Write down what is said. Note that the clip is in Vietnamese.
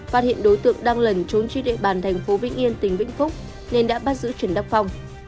phát hiện đối tượng đang lẩn trốn trên địa bàn thành phố vĩnh yên tỉnh vĩnh phúc nên đã bắt giữ trần đắc phong